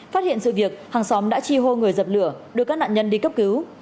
phát hiện sự việc hàng xóm đã chi hô người dập lửa đưa các nạn nhân đi cấp cứu